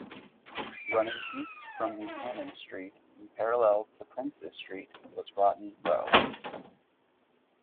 Running east from Buchanan Street and parallel to Prince's Street was Rotten Row.